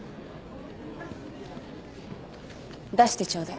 出してちょうだい。